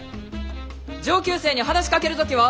上級生に話しかける時は！